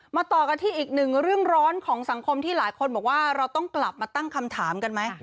ต่อกันที่อีกหนึ่งเรื่องร้อนของสังคมที่หลายคนบอกว่าเราต้องกลับมาตั้งคำถามกันไหม